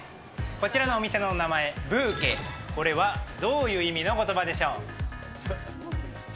こちらのお店の名前、ブーケ、これはどういう意味のことばでしょう。